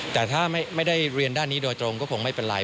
แต่ถ้าไม่ได้เรียนด้านนี้โดยตรงก็คงไม่เป็นไร